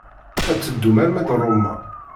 Ad teddum arma d Roma.